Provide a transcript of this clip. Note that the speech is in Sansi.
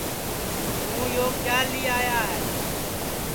توں یو کیا لی آیا ہے